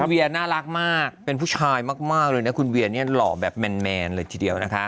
เวียน่ารักมากเป็นผู้ชายมากเลยนะคุณเวียเนี่ยหล่อแบบแมนเลยทีเดียวนะคะ